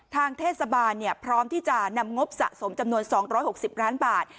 ทางเทศบาลพร้อมที่จะนำงบสะสมจำนวน๒๖๐ล้านบาท